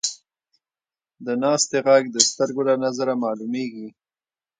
د ناستې ږغ د سترګو له نظره معلومېږي.